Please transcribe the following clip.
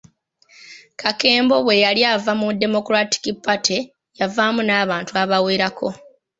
Kakembo bwe yali ava mu Democratic Party yavaamu n'abantu abawerako.